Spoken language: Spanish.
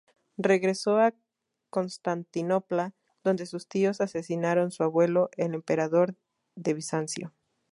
Regresó a Constantinopla, donde sus tíos asesinaron su abuelo, el emperador de Bizancio.